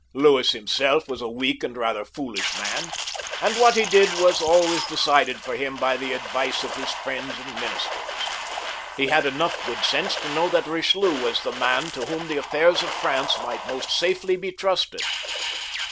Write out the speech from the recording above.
Louis himself was a weak and rather foolish man, and what he did was always de cided for him by the advice of his friends and ministers. He had enough good sense to know that Eichelieu was the mail to whom the affairs of France might most safely be trusted.